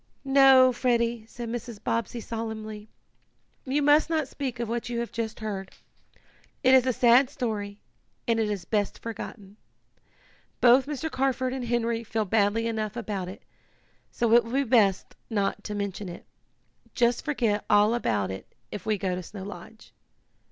"No, Freddie," said Mrs. Bobbsey solemnly. "You must not speak of what you have just heard. It is a sad story, and is best forgotten. Both Mr. Carford and Henry feel badly enough about it, so it will be best not to mention it. Just forget all about it if we go to Snow Lodge."